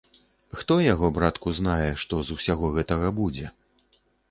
Хто яго, братку, знае, што з усяго гэтага будзе?